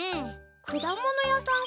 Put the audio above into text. くだものやさんかな？